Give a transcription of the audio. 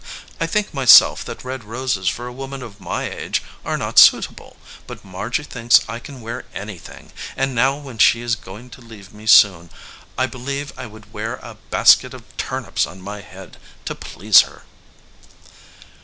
I think myself that red roses for a woman of my age are not suit able, but Margy thinks I can wear anything, and now when she is going to leave me so soon I believe I would wear a basket of turnips on my head to please her."